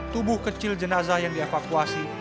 tubuh kecil jenazah yang dievakuasi